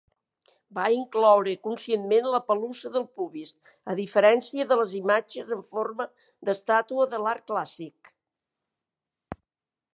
Va incloure conscientment la pelussa del pubis, a diferència de les imatges en forma d'estàtua de l'art clàssic.